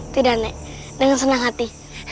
tidak naik dengan senang hati